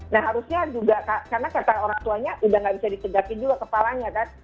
nah harusnya juga karena orang tua nya sudah tidak bisa ditegakkan juga kepalanya kan